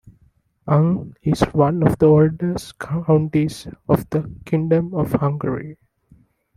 Ung is one of the oldest counties of the Kingdom of Hungary.